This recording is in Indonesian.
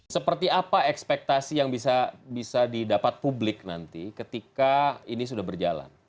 seperti apa ekspektasi yang bisa didapat publik nanti ketika ini sudah berjalan